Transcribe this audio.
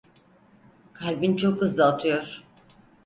Kalbin çok hızlı atıyor.